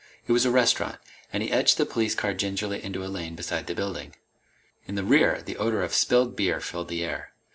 It was a restaurant, and he edged the police car gingerly into a lane beside the building. In the rear, the odor of spilled beer filled the air.